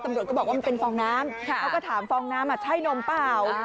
ตำรวจก็บอกว่ามันเป็นฟองน้ำเขาก็ถามฟองน้ำใช่นมเปล่า